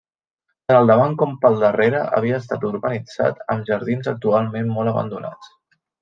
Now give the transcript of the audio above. Tant al davant com pel darrere havia estat urbanitzat amb jardins actualment molt abandonats.